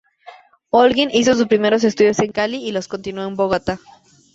Holguín hizo sus primeros estudios en Cali y los continuó en Bogotá.